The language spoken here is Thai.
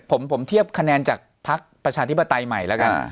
ผมเทียบคะแนนจากพักประชาธิปไตยใหม่แล้วกัน